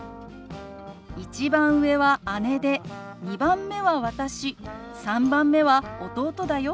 「１番上は姉で２番目は私３番目は弟だよ」。